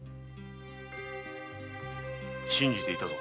信じていたぞ。